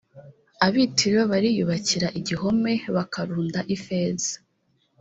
ab i tiro bariyubakira igihome bakarunda ifeza